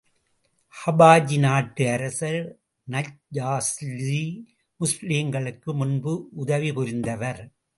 ஹபஷி நாட்டு அரசர் நஜ்ஜாஷி, முஸ்லிம்களுக்கு முன்பு உதவி புரிந்தவர்.